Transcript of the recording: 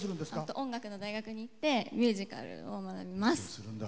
音楽の大学にいってミュージカルを学びます。